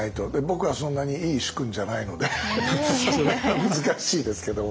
僕はそんなにいい主君じゃないので難しいですけど。